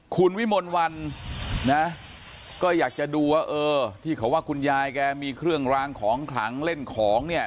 คุณวิมลวันนะก็อยากจะดูว่าเออที่เขาว่าคุณยายแกมีเครื่องรางของขลังเล่นของเนี่ย